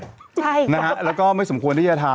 ใช่คะรู้จักว่าคุณหรอกครับแล้วก็ไม่สมควรที่จะทำ